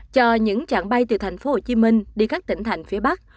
cho những chặng bay từ thành phố hồ chí minh đi các tỉnh thành phía bắc